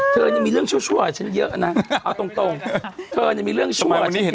ไปเยอะอย่างงัน